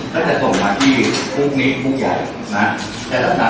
แล้วแค่ส่วนมาที่ภูมินี้ภูมิใหญ่นะครับ